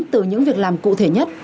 từ những việc làm cụ thể nhất